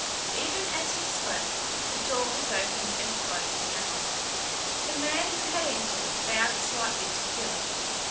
Even as he spoke the door was opened and closed again. The man who had entered bowed slightly to Philip.